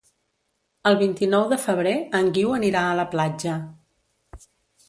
El vint-i-nou de febrer en Guiu anirà a la platja.